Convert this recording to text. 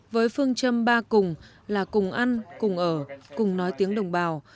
với phương châm ba cùng là cùng ăn cùng ở cùng nói tiếng đồng bào